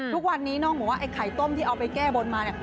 ทุกวันนี้น้องบอกว่าไอ้ไข่ต้มที่เอาไปแก้บนมาเนี่ย